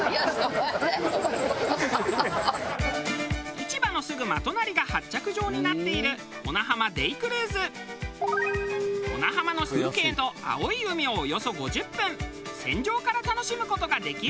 市場のすぐ真隣が発着場になっている小名浜の風景と青い海をおよそ５０分船上から楽しむ事ができる。